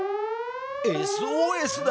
ＳＯＳだ！